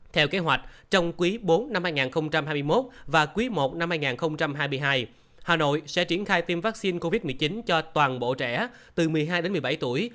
theo kế hoạch trong quý bốn năm hai nghìn hai mươi một và quý i năm hai nghìn hai mươi hai hà nội sẽ triển khai tiêm vaccine covid một mươi chín cho toàn bộ trẻ từ một mươi hai đến một mươi bảy tuổi